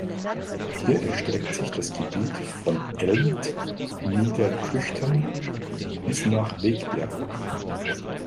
Hier erstreckte sich das Gebiet von Elmpt, Niederkrüchten bis nach Wegberg.